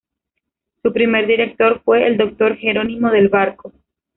Su primer director fue el Dr. Gerónimo del Barco.